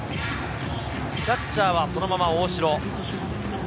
キャッチャーはそのまま大城。